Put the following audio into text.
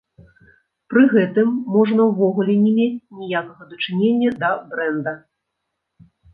Пры гэтым, можна ўвогуле не мець ніякага дачынення да брэнда.